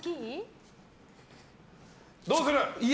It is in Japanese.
どうする？